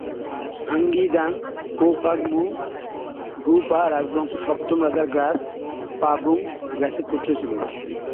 ঙ্গাগ-গি-দ্বাং-পো ফাগ-মো-গ্রু-পা রাজবংশের সপ্তম রাজা গ্রাগ্স-পা-'ব্যুং-গ্নাসের পুত্র ছিলেন।